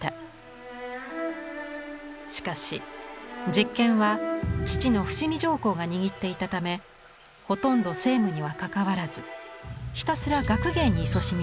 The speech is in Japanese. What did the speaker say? しかし実権は父の伏見上皇が握っていたためほとんど政務には関わらずひたすら学芸にいそしみました。